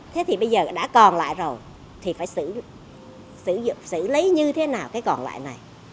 thế thì bây giờ đã còn lại rồi thì phải xử lý như thế nào cái còn lại này